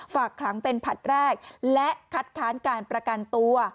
ฝากขังเป็นผลัดแรกและคัดค้านการประกันตัว